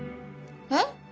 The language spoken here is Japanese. えっ！？